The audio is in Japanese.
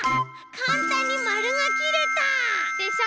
かんたんにまるがきれた！でしょ？